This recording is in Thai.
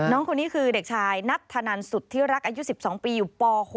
น้องคนนี้คือเด็กชายนัทธนันสุธิรักอายุ๑๒ปีอยู่ป๖